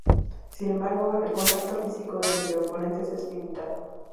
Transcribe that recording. Sin embargo, el contacto físico entre oponentes es limitado.